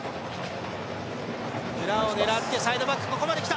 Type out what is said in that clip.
裏を狙ってサイドバック、ここまで来た！